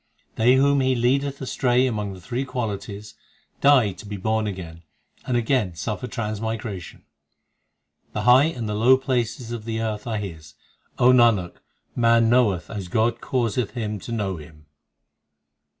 They whom He leadeth astray among the three qualities, Die to be born again, and again suffer transmigration. The high and the low places of the earth are His O Nanak, man knoweth as God causeth him to know Him.